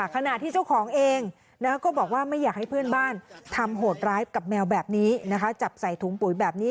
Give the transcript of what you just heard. ขณะที่เจ้าของเองก็บอกว่าไม่อยากให้เพื่อนบ้านทำโหดร้ายกับแมวแบบนี้นะคะจับใส่ถุงปุ๋ยแบบนี้